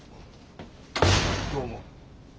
どうも。